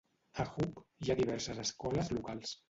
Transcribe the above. A Hook, hi ha diverses escoles locals.